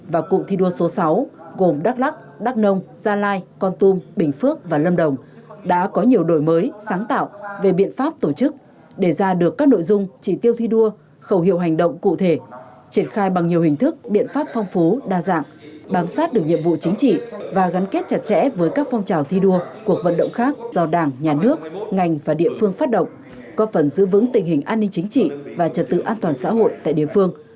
và cụm thi đua số sáu gồm đắk lắc đắk nông gia lai con tum bình phước và lâm đồng đã có nhiều đổi mới sáng tạo về biện pháp tổ chức để ra được các nội dung chỉ tiêu thi đua khẩu hiệu hành động cụ thể triển khai bằng nhiều hình thức biện pháp phong phú đa dạng bám sát được nhiệm vụ chính trị và gắn kết chặt chẽ với các phong trào thi đua cuộc vận động khác do đảng nhà nước ngành và địa phương phát động có phần giữ vững tình hình an ninh chính trị và trật tự an toàn xã hội tại địa phương